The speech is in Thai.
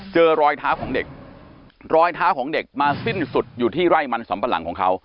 เจอรอยเท้าของเด็กรอยเท้าของเด็กมาสิ้นสุดอยู่ที่ไร่มันสำปะหลังของเขา